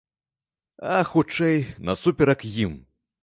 А, хутчэй, насуперак ім.